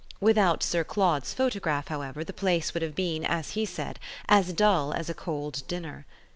Without Sir Claude's photograph, however, the place would have been, as he said, as dull as a cold dinner.